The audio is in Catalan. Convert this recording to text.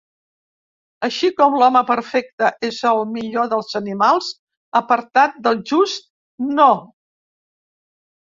Així com l'home perfecte és el millor dels animals, apartat del just, no.